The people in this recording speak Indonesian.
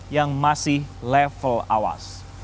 yang masih level awas